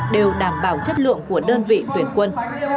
đều đảm bảo chất lượng của đơn vị tuyển quân